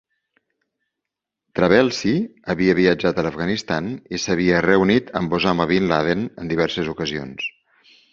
Trabelsi havia viatjat a l'Afganistan i s'havia reunit amb Osama bin Laden en diverses ocasions.